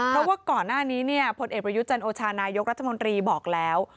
เพราะว่าก่อนหน้านี้เนี่ยผลเอกประยุทธ์จันโอชานายกรัฐมนตรีบอกแล้ว